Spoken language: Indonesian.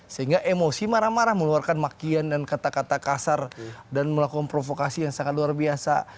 sehingga emosi marah marah meluarkan makian dan kata kata kasar dan melakukan provokasi yang sangat luar biasa